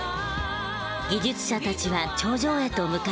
技術者たちは頂上へと向かいます。